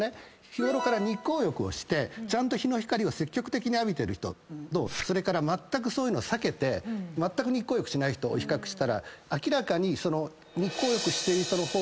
日ごろから日光浴をしてちゃんと日の光を積極的に浴びてる人とまったくそういうのを避けて日光浴しない人を比較したら明らかに日光浴している人の方が健康長寿。